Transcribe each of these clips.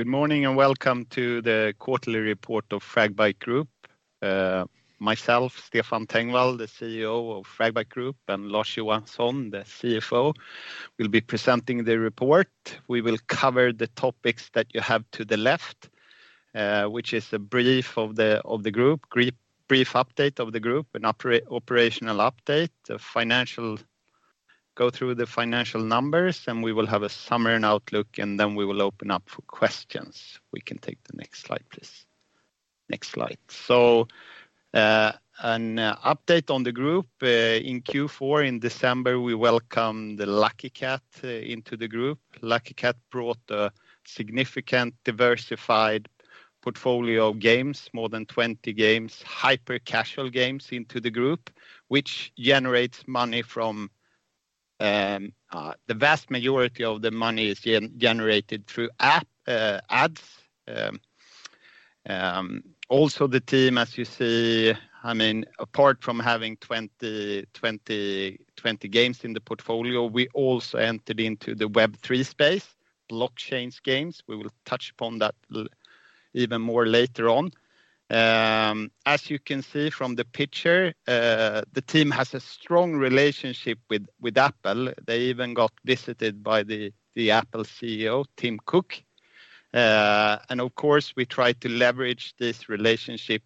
Good morning, and welcome to the quarterly report of Fragbite Group. Myself, Stefan Tengvall, the CEO of Fragbite Group, and Lars Johansson, the CFO, will be presenting the report. We will cover the topics that you have to the left, which is a brief update of the group, an operational update, go through the financial numbers, and we will have a summary and outlook, and then we will open up for questions. We can take the next slide, please. Next slide. An update on the group, in Q4 in December, we welcome the Lucky Kat into the group. Lucky Kat brought a significant diversified portfolio of games, more than 20 games, hyper-casual games into the group, which generates money from. The vast majority of the money is generated through app ads. The team, as you see, I mean, apart from having 20 games in the portfolio, we also entered into the Web3 space, blockchain games. We will touch upon that even more later on. As you can see from the picture, the team has a strong relationship with Apple. They even got visited by the Apple CEO, Tim Cook. Of course, we try to leverage this relationship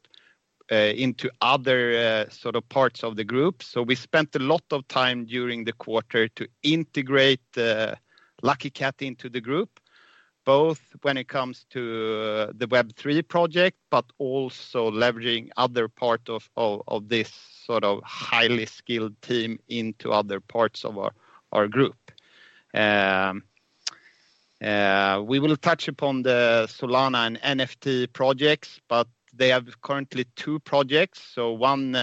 into other sort of parts of the group. We spent a lot of time during the quarter to integrate Lucky Kat into the group, both when it comes to the Web3 project, but also leveraging other part of this sort of highly skilled team into other parts of our group. We will touch upon the Solana and NFT projects, but they have currently two projects. One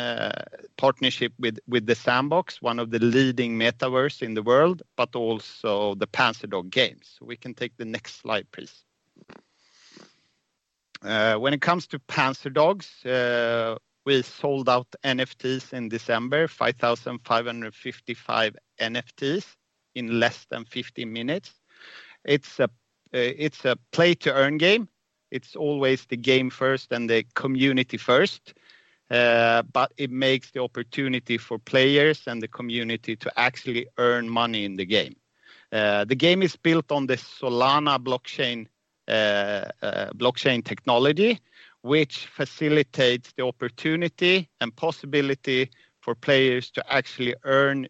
partnership with The Sandbox, one of the leading metaverse in the world, but also the Panzerdogs games. We can take the next slide, please. When it comes to Panzerdogs, we sold out NFTs in December, 5,555 NFTs in less than 50 minutes. It's a play-to-earn game. It's always the game first and the community first, but it makes the opportunity for players and the community to actually earn money in the game. The game is built on the Solana blockchain technology, which facilitates the opportunity and possibility for players to actually earn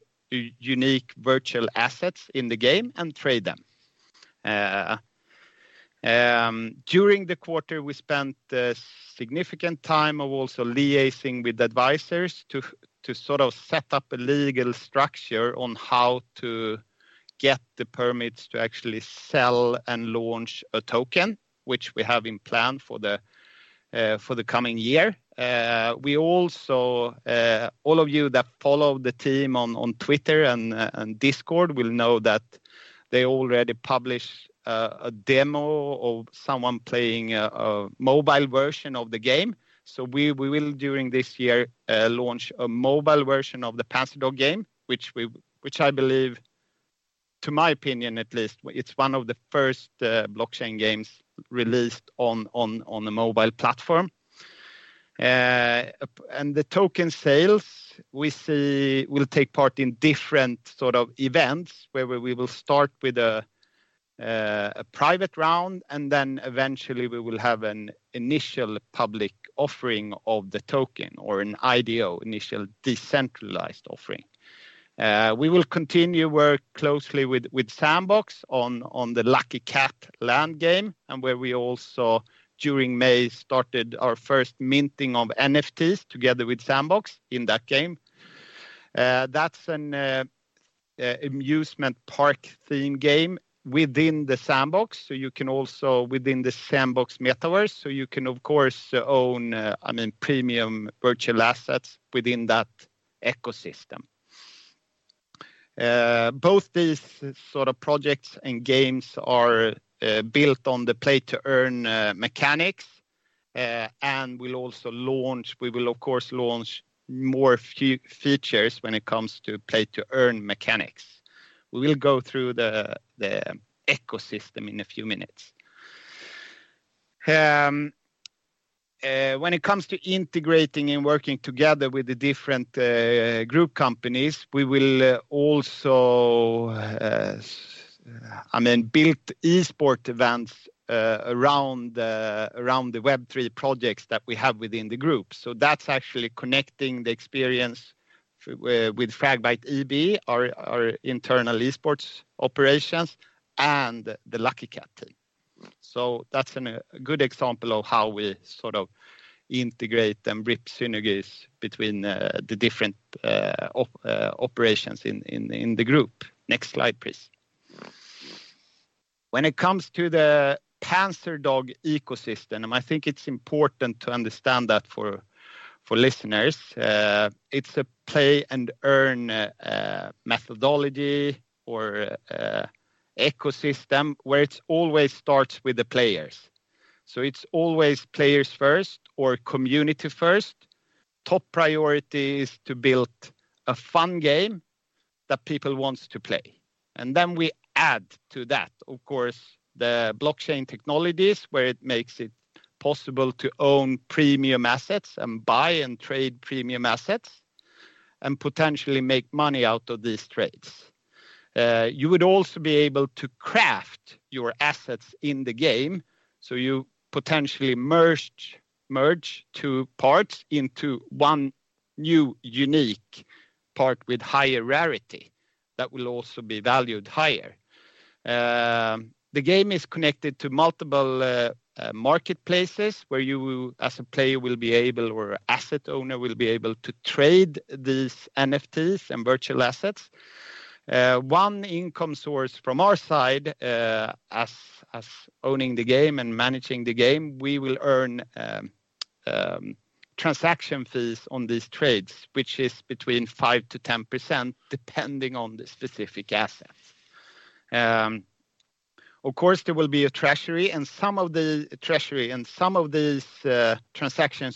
unique virtual assets in the game and trade them. During the quarter, we spent a significant time also liaising with advisors to sort of set up a legal structure on how to get the permits to actually sell and launch a token, which we have been planned for the coming year. We also, all of you that follow the team on Twitter and Discord will know that they already published a demo of someone playing a mobile version of the game. We will, during this year, launch a mobile version of the Panzerdogs game, which I believe, to my opinion, at least, it's one of the first blockchain games released on a mobile platform. The token sales we see will take part in different sort of events where we will start with a private round, and then eventually we will have an initial public offering of the token or an IDO, initial decentralized offering. We will continue work closely with The Sandbox on the Lucky Kat land game and where we also, during May, started our first minting of NFTs together with The Sandbox in that game. That's an amusement park-themed game within The Sandbox. Within The Sandbox metaverse, you can, of course, own, I mean, premium virtual assets within that ecosystem. Both these sort of projects and games are built on the play-to-earn mechanics and will also launch more features when it comes to play-to-earn mechanics. We will go through the ecosystem in a few minutes. When it comes to integrating and working together with the different group companies, we will also, I mean, build esports events around the Web3 projects that we have within the group. That's actually connecting the experience with Fragbite AB, our internal esports operations, and the Lucky Kat team. That's a good example of how we sort of integrate and reap synergies between the different operations in the group. Next slide, please. When it comes to the Panzerdogs ecosystem, I think it's important to understand that for listeners, it's a play-and-earn methodology or ecosystem where it always starts with the player. So it's always players first or community first. Top priority is to build a fun game that people wants to play, and then we add to that, of course, the blockchain technologies where it makes it possible to own premium assets and buy and trade premium assets and potentially make money out of these trades. You would also be able to craft your assets in the game, so you potentially merge two parts into one new unique part with higher rarity that will also be valued higher. The game is connected to multiple marketplaces where, as a player or asset owner, you will be able to trade these NFTs and virtual assets. One income source from our side, as owning the game and managing the game, we will earn transaction fees on these trades, which is between 5%-10% depending on the specific assets. Of course, there will be a treasury, and some of the treasury and some of these transaction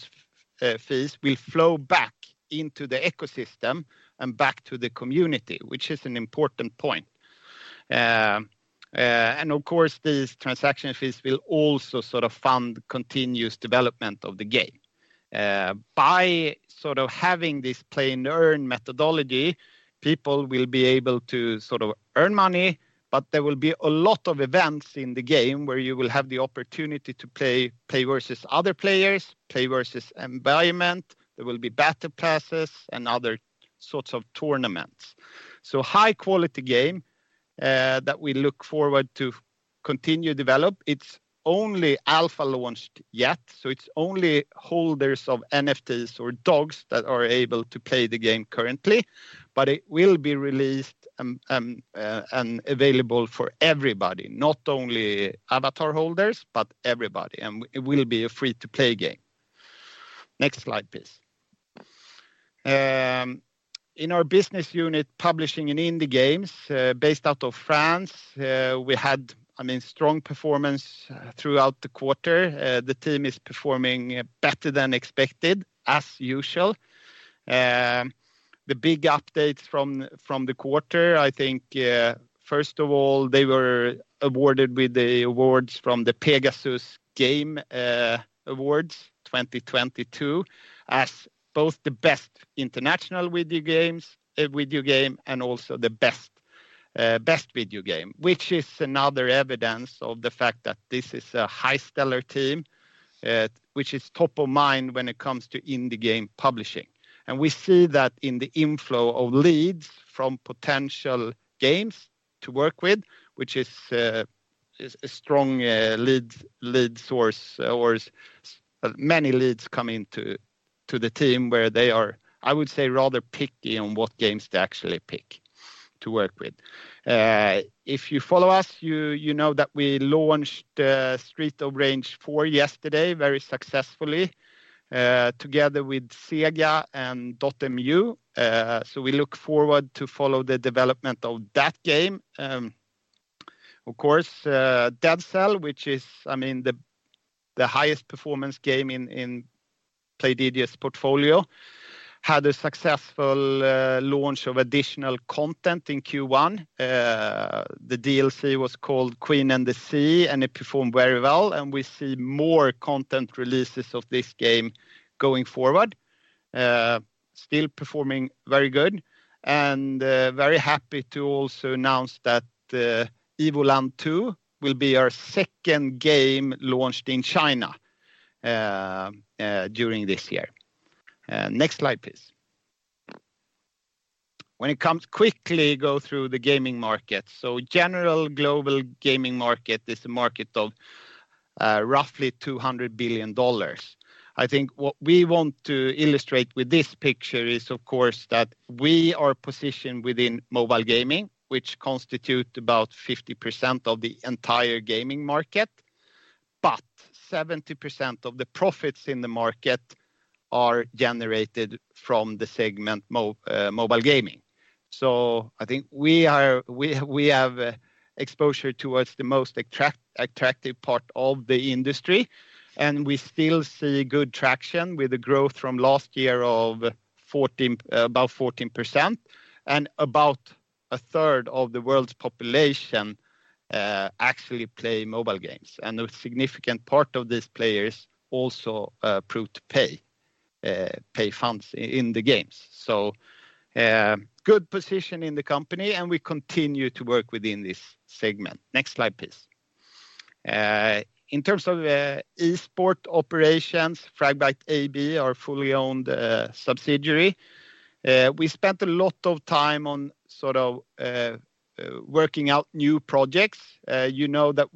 fees will flow back into the ecosystem and back to the community, which is an important point. Of course, these transaction fees will also sort of fund continuous development of the game. By sort of having this play-and-earn methodology, people will be able to sort of earn money, but there will be a lot of events in the game where you will have the opportunity to play versus other players, play versus environment. There will be battle passes and other sorts of tournaments. High quality game that we look forward to continue develop. It's only alpha launched yet, so it's only holders of NFTs or dogs that are able to play the game currently. But it will be released and available for everybody, not only avatar holders, but everybody, and it will be a free-to-play game. Next slide, please. In our business unit publishing in indie games, based out of France, we had, I mean, strong performance throughout the quarter. The team is performing better than expected, as usual. The big updates from the quarter, I think, first of all, they were awarded with the awards from The Pégases Game Awards 2022 as both the best international video game and also the best video game, which is another evidence of the fact that this is a highly stellar team, which is top of mind when it comes to indie game publishing. We see that in the inflow of leads from potential games to work with, which is a strong lead source, many leads coming to the team where they are, I would say, rather picky on what games to actually pick to work with. If you follow us, you know that we launched Streets of Rage 4 yesterday very successfully, together with Sega and Dotemu. We look forward to follow the development of that game. Of course, Dead Cells, which is, I mean, the highest performance game in Playdigious portfolio, had a successful launch of additional content in Q1. The DLC was called The Queen and the Sea, and it performed very well, and we see more content releases of this game going forward. Still performing very good, and very happy to also announce that, Evoland 2 will be our second game launched in China during this year. Next slide, please. Quickly go through the gaming market. General global gaming market is a market of roughly $200 billion. I think what we want to illustrate with this picture is, of course, that we are positioned within mobile gaming, which constitute about 50% of the entire gaming market, but 70% of the profits in the market are generated from the segment mobile gaming. I think we have exposure towards the most attractive part of the industry, and we still see good traction with the growth from last year of about 14%, and about a third of the world's population actually play mobile games. A significant part of these players also prove to pay funds in the games. Good position in the company, and we continue to work within this segment. Next slide, please. In terms of esports operations, Fragbite AB, our fully owned subsidiary, we spent a lot of time on sort of working out new projects. You know that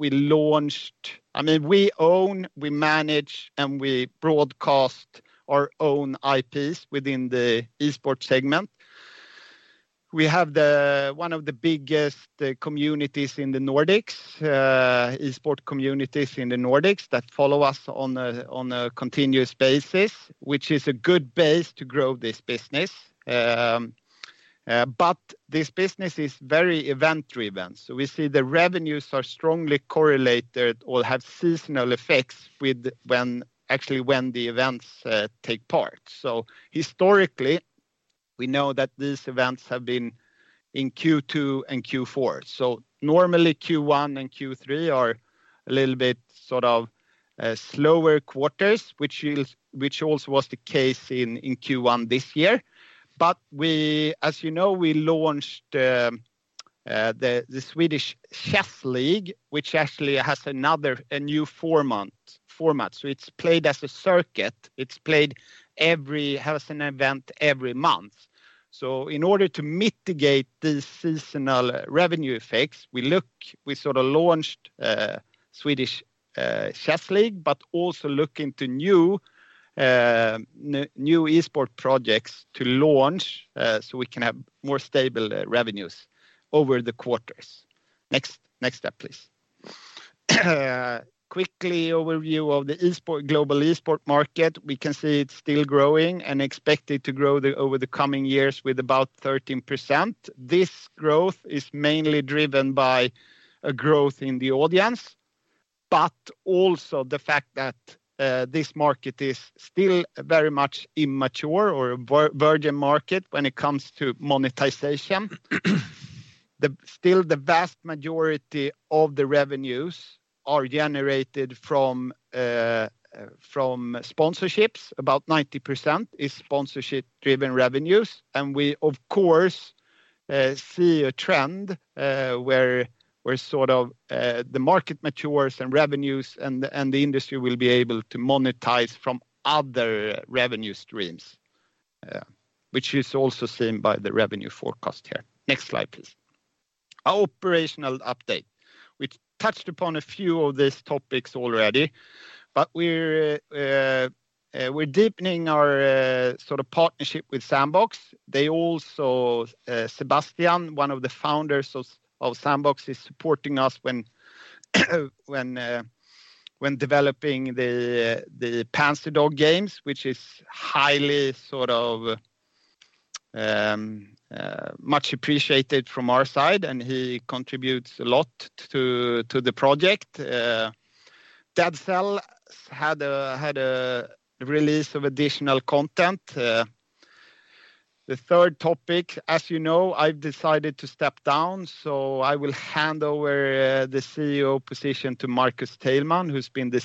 I mean, we own, we manage, and we broadcast our own IPs within the esports segment. We have one of the biggest communities in the Nordics, esports communities in the Nordics that follow us on a continuous basis, which is a good base to grow this business. This business is very event-driven. We see the revenues are strongly correlated or have seasonal effects with actually when the events take part. Historically, we know that these events have been in Q2 and Q4. Normally Q1 and Q3 are a little bit sort of slower quarters, which also was the case in Q1 this year. As you know, we launched the Swedish Chess League, which actually has a new format. It's played as a circuit. It has an event every month. In order to mitigate the seasonal revenue effects, we sort of launched Swedish Chess League, but also look into new esports projects to launch so we can have more stable revenues over the quarters. Next step, please. Quick overview of the global esports market. We can see it's still growing and expected to grow over the coming years with about 13%. This growth is mainly driven by a growth in the audience, but also the fact that this market is still very much immature or virgin market when it comes to monetization. Still the vast majority of the revenues are generated from sponsorships. About 90% is sponsorship-driven revenues. We, of course, see a trend where sort of the market matures and revenues and the industry will be able to monetize from other revenue streams, which is also seen by the revenue forecast here. Next slide, please. Our operational update. We touched upon a few of these topics already, but we're deepening our sort of partnership with Sandbox. They also, Sébastien, one of the founders of Sandbox, is supporting us when developing the Panzerdogs games, which is highly much appreciated from our side, and he contributes a lot to the project. Dead Cells had a release of additional content. The third topic, as you know, I've decided to step down, so I will hand over the CEO position to Marcus Teilman, who's been the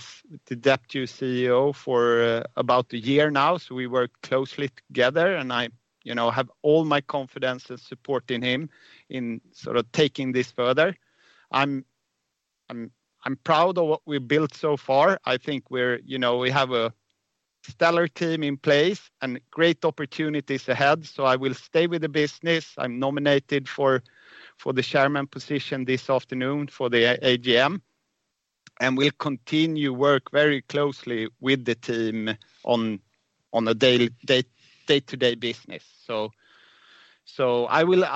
deputy CEO for about a year now. We work closely together, and I, you know, have all my confidence and support in him in sort of taking this further. I'm proud of what we built so far. I think you know, we have a stellar team in place and great opportunities ahead, so I will stay with the business. I'm nominated for the chairman position this afternoon for the AGM, and will continue work very closely with the team on a day-to-day business. I will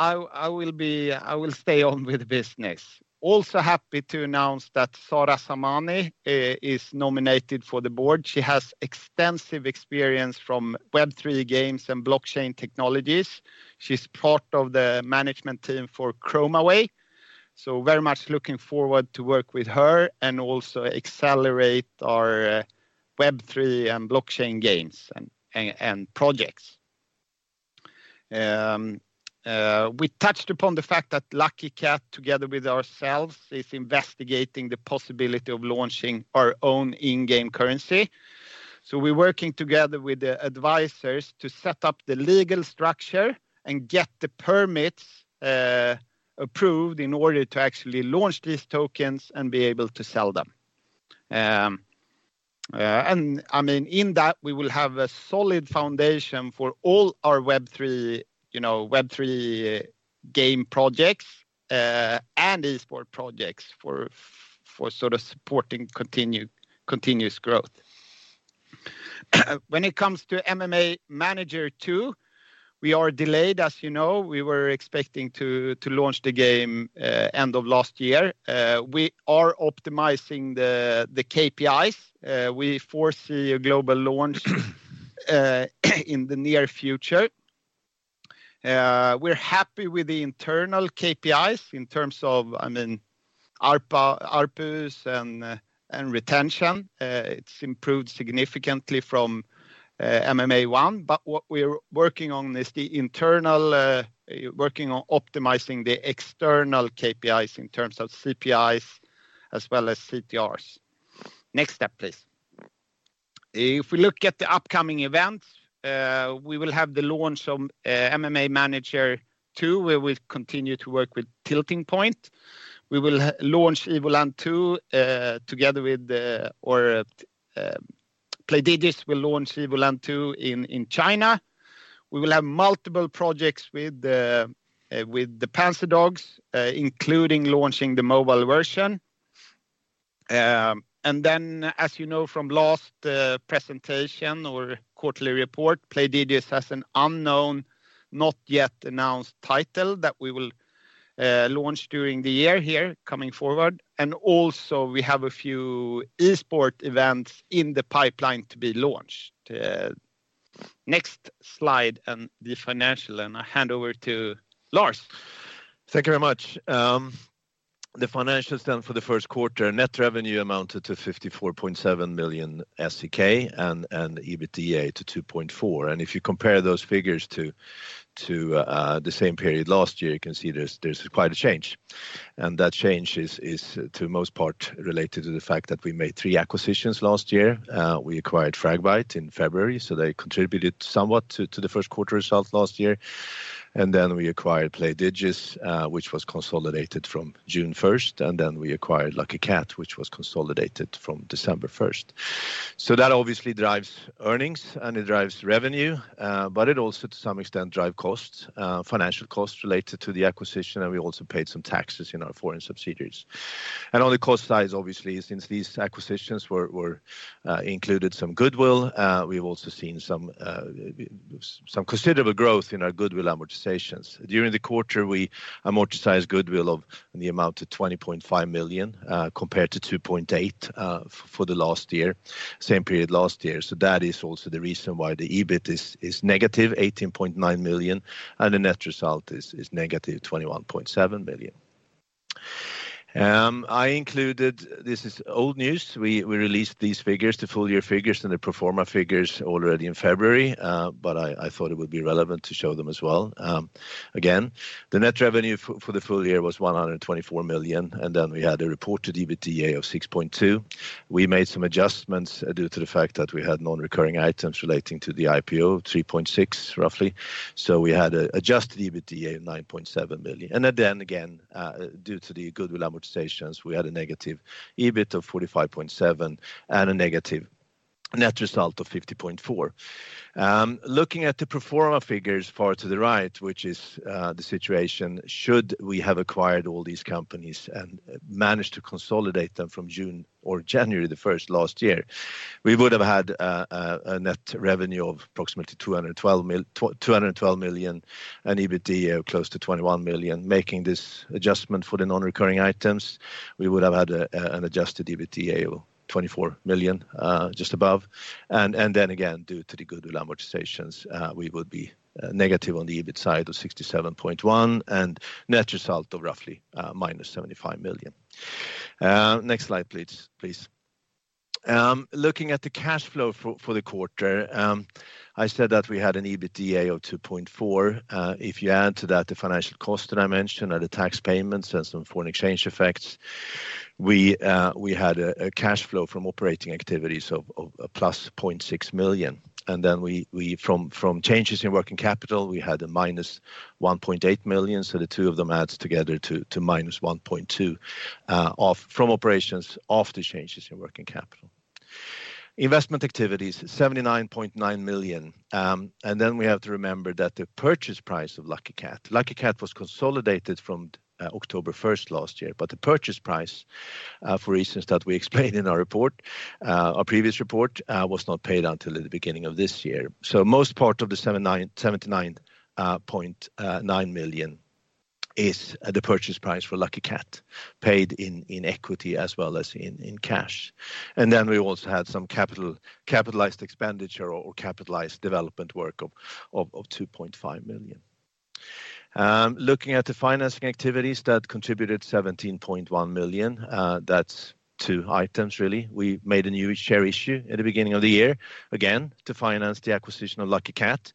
stay on with the business. Also happy to announce that Sara Namazi is nominated for the board. She has extensive experience from Web3 games and blockchain technologies. She's part of the management team for ChromaWay, so very much looking forward to work with her and also accelerate our Web3 and blockchain games and projects. We touched upon the fact that Lucky Kat, together with ourselves, is investigating the possibility of launching our own in-game currency. We're working together with the advisors to set up the legal structure and get the permits approved in order to actually launch these tokens and be able to sell them. I mean, in that we will have a solid foundation for all our Web3, you know, Web3 game projects, and esports projects for sort of supporting continuous growth. When it comes to MMA Manager 2, we are delayed, as you know. We were expecting to launch the game end of last year. We are optimizing the KPIs. We foresee a global launch in the near future. We're happy with the internal KPIs in terms of, I mean, ARPUs and retention. It's improved significantly from MMA Manager 1. What we're working on is working on optimizing the external KPIs in terms of CPIs as well as CTRs. Next step, please. If we look at the upcoming events, we will have the launch of MMA Manager 2, where we'll continue to work with Tilting Point. We will launch Evoland 2, Playdigious will launch Evoland 2 in China. We will have multiple projects with the Panzerdogs, including launching the mobile version. And then, as you know from last presentation or quarterly report, Playdigious has an unknown, not yet announced title that we will launch during the year here coming forward, and also we have a few esports events in the pipeline to be launched. Next slide and the financial, and I hand over to Lars. Thank you very much. The financials then for Q1, net revenue amounted to 54.7 million SEK and EBITDA to 2.4 million. If you compare those figures to the same period last year, you can see there's quite a change, and that change is for the most part related to the fact that we made three acquisitions last year. We acquired Fragbite in February, so they contributed somewhat to Q1 results last year. Then we acquired Playdigious, which was consolidated from June 1st, and then we acquired Lucky Kat, which was consolidated from December 1st. That obviously drives earnings and it drives revenue, but it also to some extent drive costs, financing costs related to the acquisition, and we also paid some taxes in our foreign subsidiaries. On the cost side, obviously, since these acquisitions were included some goodwill, we've also seen some considerable growth in our goodwill amortizations. During the quarter, we amortized goodwill of the amount to 20.5 million, compared to 2.8 million for the last year, same period last year. That is also the reason why the EBIT is negative 18.9 million and the net result is negative 21.7 million. This is old news. We released these figures, the full-year figures and the pro forma figures already in February, but I thought it would be relevant to show them as well. Again, the net revenue for the full year was 124 million, and then we had a reported EBITDA of 6.2 million. We made some adjustments due to the fact that we had non-recurring items relating to the IPO, 3.6 million, roughly. We had an adjusted EBITDA of 9.7 million. Due to the goodwill amortizations, we had a negative EBIT of 45.7 million and a negative net result of 50.4 million. Looking at the pro forma figures far to the right, which is the situation should we have acquired all these companies and managed to consolidate them from June or January the first last year. We would have had a net revenue of approximately 212 million and EBITDA of close to 21 million. Making this adjustment for the non-recurring items, we would have had an adjusted EBITDA of 24 million, just above. Then again, due to the goodwill amortizations, we would be negative on the EBIT side of 67.1 million and net result of roughly minus 75 million. Next slide, please. Looking at the cash flow for the quarter, I said that we had an EBITDA of 2.4 million. If you add to that the financial cost that I mentioned and the tax payments and some foreign exchange effects, we had a cash flow from operating activities of a plus 0.6 million. Then from changes in working capital, we had a minus 1.8 million, so the two of them adds together to minus 1.2 million from operations and the changes in working capital. Investment activities, 79.9 million, and then we have to remember that the purchase price of Lucky Kat was consolidated from October 1st last year, but the purchase price, for reasons that we explained in our report, our previous report, was not paid until the beginning of this year. Most part of the 79.9 million is the purchase price for Lucky Kat paid in equity as well as in cash. Then we also had some capitalized expenditure or capitalized development work of 2.5 million. Looking at the financing activities that contributed 17.1 million, that's two items really. We made a new share issue at the beginning of the year, again, to finance the acquisition of Lucky Kat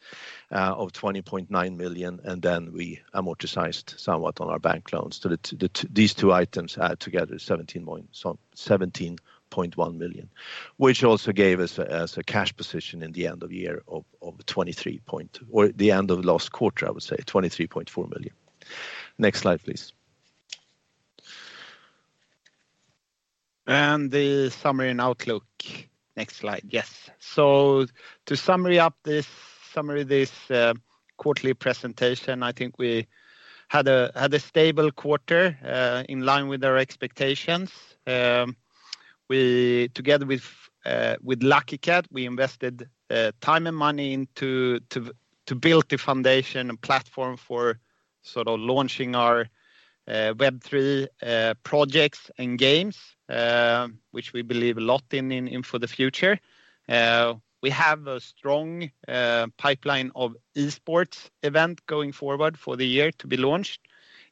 of 20.9 million, and then we amortized somewhat on our bank loans. These two items add together 17.1 million, which also gave us a cash position in the end of the year or the end of last quarter, I would say, 23.4 million. Next slide, please. The summary and outlook. Next slide. Yes. To sum up this summary, this quarterly presentation, I think we had a stable quarter in line with our expectations. We, together with Lucky Kat, invested time and money to build the foundation and platform for sort of launching our Web3 projects and games, which we believe a lot in for the future. We have a strong pipeline of esports events going forward for the year to be launched,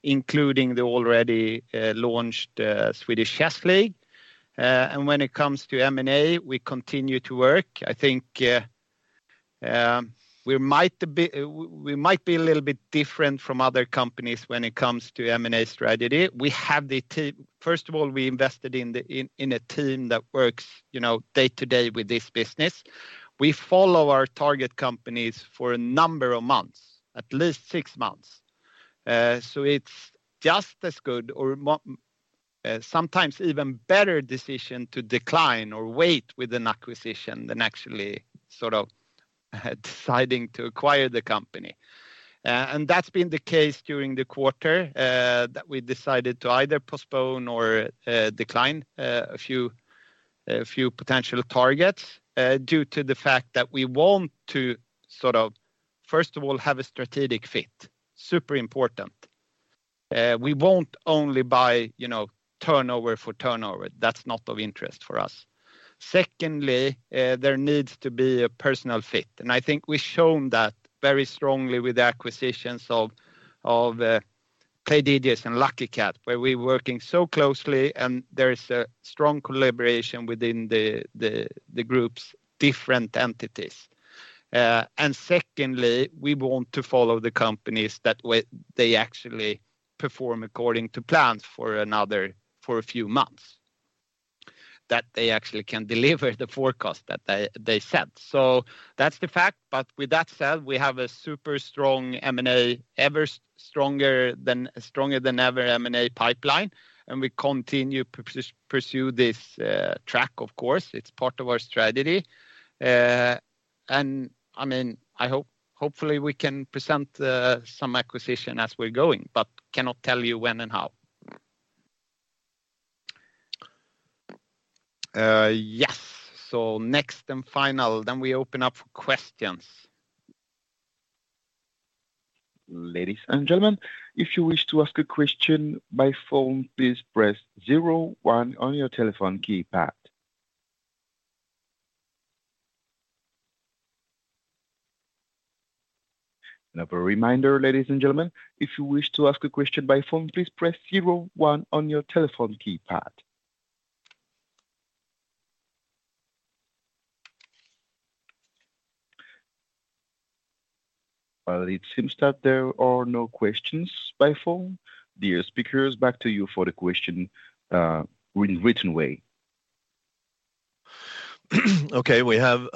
including the already launched Swedish Chess League. When it comes to M&A, we continue to work. I think we might be a little bit different from other companies when it comes to M&A strategy. First of all, we invested in a team that works, you know, day to day with this business. We follow our target companies for a number of months, at least six months. It's just as good or sometimes even better decision to decline or wait with an acquisition than actually sort of deciding to acquire the company. That's been the case during the quarter that we decided to either postpone or decline a few potential targets due to the fact that we want to sort of, first of all, have a strategic fit, super important. We won't only buy, you know, turnover for turnover. That's not of interest for us. Secondly, there needs to be a personal fit, and I think we've shown that very strongly with the acquisitions of Playdigious and Lucky Kat, where we're working so closely and there is a strong collaboration within the group's different entities. Secondly, we want to follow the companies that they actually perform according to plans for a few months, that they actually can deliver the forecast that they set. That's the fact, but with that said, we have a super strong M&A, stronger than ever M&A pipeline, and we continue pursue this track, of course. It's part of our strategy. I mean, hopefully we can present some acquisition as we're going, but cannot tell you when and how. Yes. Next and final, then we open up for questions. Ladies and gentlemen, if you wish to ask a question by phone, please press zero-one on your telephone keypad. Another reminder, ladies and gentlemen, if you wish to ask a question by phone, please press zero-one on your telephone keypad. Well, it seems that there are no questions by phone. Dear speakers, back to you for the question in written way. Okay, we have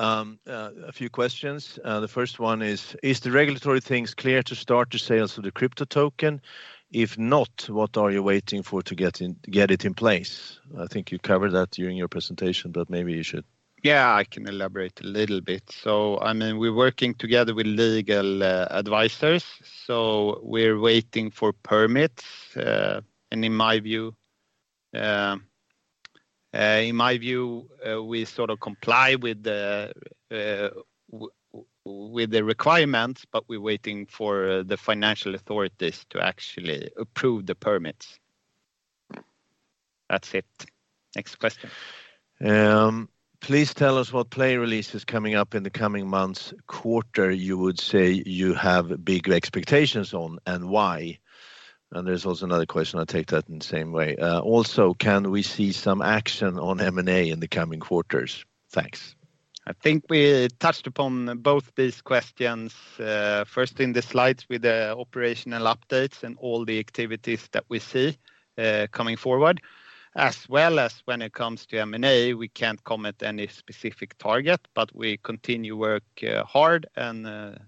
a few questions. The first one is the regulatory things clear to start the sales of the crypto token? If not, what are you waiting for to get it in place? I think you covered that during your presentation, but maybe you should. Yeah, I can elaborate a little bit. I mean, we're working together with legal advisors, so we're waiting for permits. In my view, we sort of comply with the requirements, but we're waiting for the financial authorities to actually approve the permits. That's it. Next question. Please tell us what game release is coming up in the coming months or quarter you would say you have big expectations on and why. And there's also another question, I'll take that in the same way. Also, can we see some action on M&A in the coming quarters? Thanks. I think we touched upon both these questions, first in the slides with the operational updates and all the activities that we see, coming forward. As well as when it comes to M&A, we can't comment any specific target, but we continue work, hard and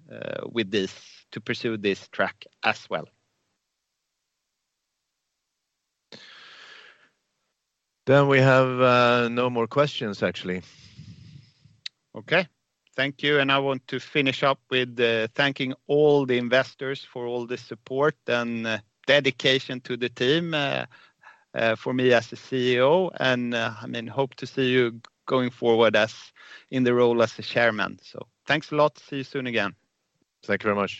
with this to pursue this track as well. We have no more questions, actually. Okay. Thank you, and I want to finish up with thanking all the investors for all the support and dedication to the team, for me as the CEO, and I mean, hope to see you going forward as in the role as the Chairman. Thanks a lot. See you soon again. Thank you very much.